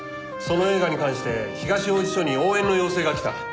その映画に関して東王子署に応援の要請が来た。